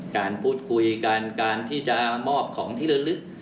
การพูดคุยกันการที่จะมอบของที่ระลึก